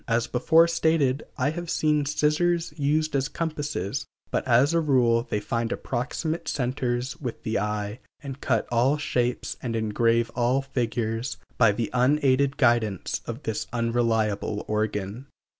As before stated, I have seen scissors used as compasses, but as a rule they find approximate centers with the eye, and cut all shapes and engrave all figures by the unaided guidance of this unreliable organ.